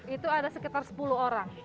itu ada sekitar sepuluh orang